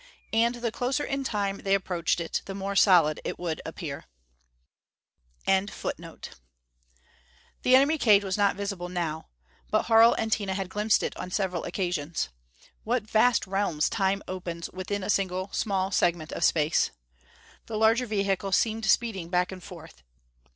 And the closer in Time they approached it, the more solid it would appear.] The enemy cage was not visible, now. But Harl and Tina had glimpsed it on several occasions. What vast realms Time opens within a single small segment of Space! The larger vehicle seemed speeding back and forth.